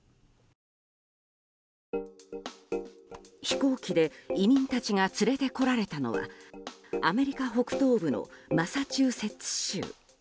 飛行機で移民たちが連れてこられたのはアメリカ北東部のマサチューセッツ州。